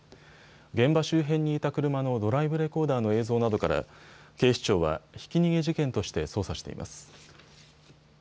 現場周辺にいた車のドライブレコーダーの映像などから警視庁は、ひき逃げ事件として捜査しています。